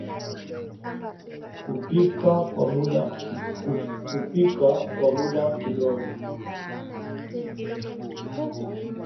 kupika kwa muda kidogo